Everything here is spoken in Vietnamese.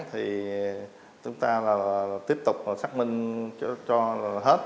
thì chúng ta tiếp tục xác minh cho hết